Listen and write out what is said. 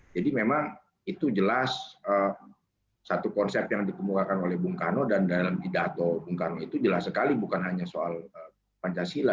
memang itu jelas satu konsep yang dikemukakan oleh bung karno dan dalam pidato bung karno itu jelas sekali bukan hanya soal pancasila